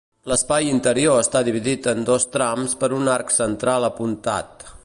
L'espai interior està dividit en dos trams per un arc central apuntat.